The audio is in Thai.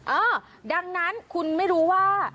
เออดังนั้นคุณไม่รู้ว่า